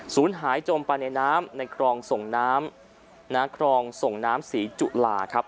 ศูนย์หายจมป่านในน้ำในกรองส่งน้ำสีจุหลาครับ